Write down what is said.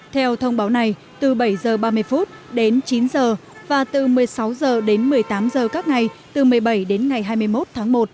theo thông báo này từ bảy giờ ba mươi phút đến chín giờ và từ một mươi sáu giờ đến một mươi tám giờ các ngày từ một mươi bảy đến ngày hai mươi một tháng một